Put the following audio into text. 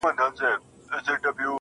هلته د ژوند تر آخري سرحده.